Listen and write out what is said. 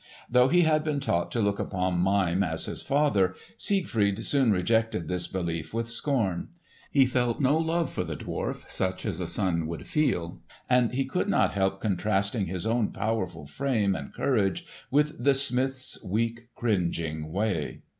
Though he had been taught to look upon Mime as his father, Siegfried soon rejected this belief with scorn. He felt no love for the dwarf, such as a son would feel; and he could not help contrasting his own powerful frame and courage with the smith's weak, cringing way.